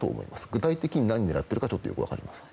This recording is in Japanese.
具体的に何を狙っているかはよく分かりません。